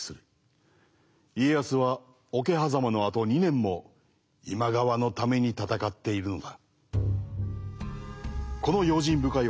家康は桶狭間のあと２年も今川のために戦っているのだ。